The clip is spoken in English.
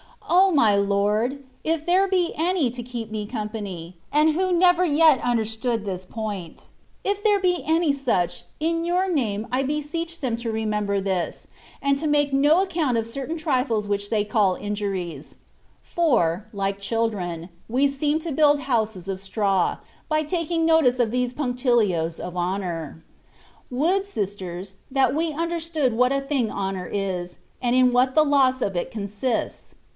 O my Lord ! if there be any to keep me company, and who never yet understood this point, — if there be any such, in your name I beseech them to remember this, and to make no accoimt of certain trifles which they call injuries ; for, like children, we seem to bmld houses of straw, by taking notice of these puncti lios of honour. Would, sisters, that we understood what a thing honour is, and in what the loss of it con sists